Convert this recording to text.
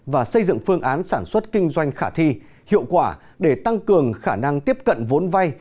và xây dựng phương án sản xuất kinh doanh khả thi hiệu quả để tăng cường khả năng tiếp cận vốn vay